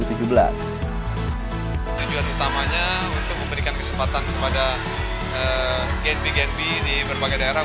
tujuan utamanya untuk memberikan kesempatan kepada gnp gnp di berbagai daerah